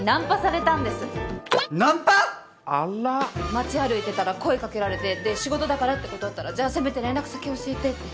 街歩いてたら声かけられてで仕事だからって断ったらじゃあせめて連絡先教えてって。